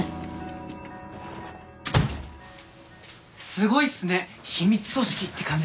すごいっすね秘密組織って感じで。